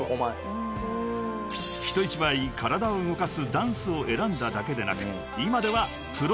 ［人一倍体を動かすダンスを選んだだけでなく今では］